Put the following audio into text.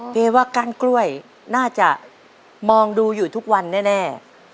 ว่ากั้นกล้วยน่าจะมองดูอยู่ทุกวันแน่